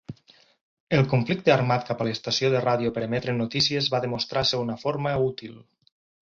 El conflicte armat cap a l'estació de ràdio per emetre notícies va demostrar ser una forma útil.